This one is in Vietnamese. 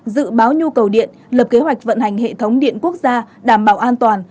dự báo nhu cầu điện lập kế hoạch vận hành hệ thống điện quốc gia đảm bảo an toàn